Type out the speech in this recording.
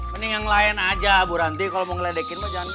mending yang lain aja bu ranti kalau mau ngeledekin